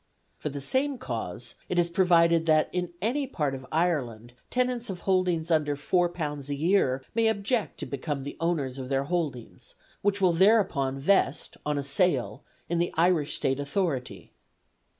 For the same cause it is provided that in any part of Ireland tenants of holdings under £4 a year may object to become the owners of their holdings, which will thereupon vest, on a sale, in the Irish State Authority.